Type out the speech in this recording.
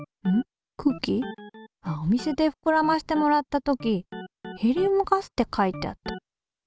お店でふくらませてもらった時「ヘリウムガス」って書いてあった。